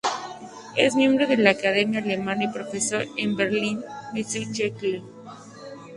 Es miembro de la Academia Alemana y profesor en la Berliner Musikhochschule.